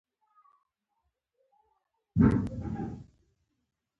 بیګ سکواټورانو ته د طبیعي خانانو په سترګه کتل.